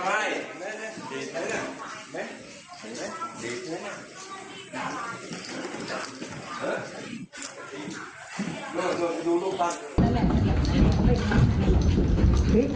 ติดประตู